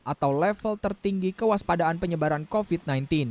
atau level tertinggi kewaspadaan penyebaran covid sembilan belas